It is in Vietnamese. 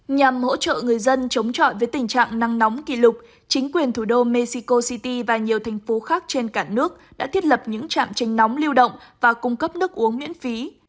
nhằm hỗ trợ người dân chống chọi với tình trạng nắng nóng kỷ lục chính quyền thủ đô mexico city và nhiều thành phố khác trên cả nước đã thiết lập những trạm trên nóng lưu động và cung cấp nước uống miễn phí